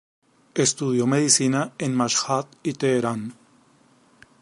Estudió medicina en Mashhad y Teherán.